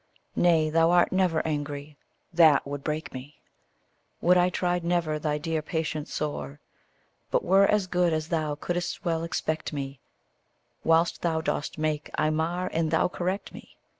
Nay, thou art never angry! that would break me! Would I tried never thy dear patience sore, But were as good as thou couldst well expect me, Whilst thou dost make, I mar, and thou correct me!